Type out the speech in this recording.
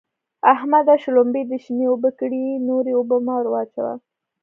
احمده! شلومبې دې شنې اوبه کړې؛ نورې اوبه مه ور اچوه.